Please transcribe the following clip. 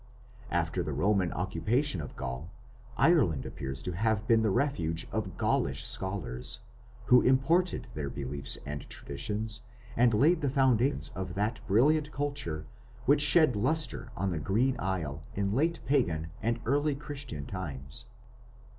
After the Roman occupation of Gaul, Ireland appears to have been the refuge of Gaulish scholars, who imported their beliefs and traditions and laid the foundations of that brilliant culture which shed lustre on the Green Isle in late Pagan and early Christian times.